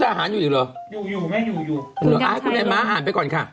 อ้าวคุณแดนม้าอ่านไปก่อนค่ะ